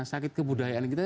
sakit kebudayaan kita